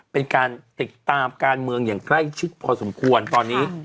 เป็นการติดตามการเมืองอย่างใกล้ชิดพอสมควรตอนนี้